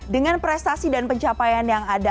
dengan prestasi dan pencapaian yang ada